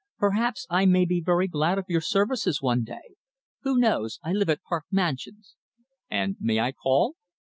"Perhaps I may be very glad of your services one day. Who knows? I live at Park Mansions." "And may I call?"